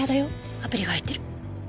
アプリが入ってる。